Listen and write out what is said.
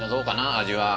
味は。